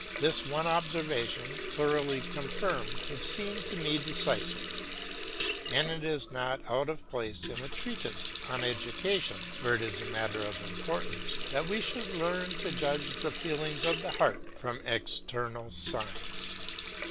This one observation thoroughly confirmed would seem to me decisive, and it is not out of place in a treatise on education, where it is a matter of importance, that we should learn to judge the feelings of the heart by external signs.